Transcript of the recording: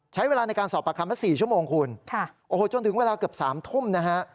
ใช้เวลาในการสอบปากคำมา๔ชั่วโมงคุณโอ้โหจนถึงเวลาเกือบ๓ทุ่มนะฮะ